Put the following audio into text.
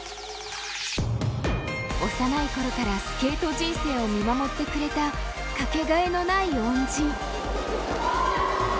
幼い頃からスケート人生を見守ってくれたかけがえのない恩人。